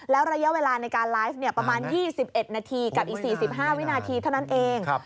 แล้วระยะเวลาในการไลฟ์ประมาณ๒๑นาทีกับอีก๔๕วินาทีเท่านั้นเอง